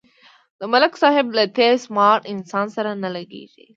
د ملک صاحب له تیس مار انسان سره نه لگېږي.